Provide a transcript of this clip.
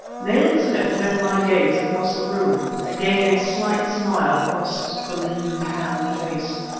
Nayland Smith met my gaze across the room; again a slight smile crossed the lean, tanned face.